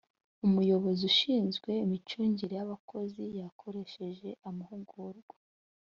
umuyobozi ushinzwe imicungire y’ abakozi yakoresheje amahugurwa